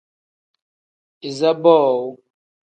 Iza boowu.